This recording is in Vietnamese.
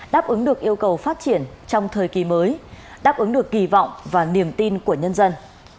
đáp ứng được yêu cầu phát triển trong thời kỳ mới đáp ứng được kỳ vọng và niềm tin của nhân dân